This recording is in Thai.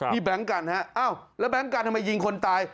มีแบล็งกันนะฮะเอ้าแล้วแบล็งกันทำไมยิงคนตาย